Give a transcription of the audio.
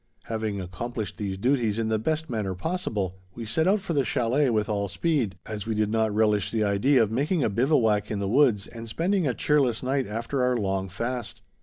Having accomplished these duties in the best manner possible, we set out for the chalet with all speed, as we did not relish the idea of making a bivouac in the woods and spending a cheerless night after our long fast.